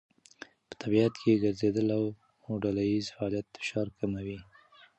په طبیعت کې ګرځېدل او ډلهییز فعالیت فشار کموي.